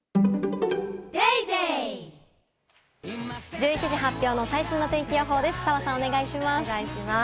１１時発表の最新の天気予報です。